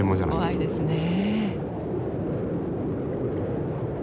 怖いですね。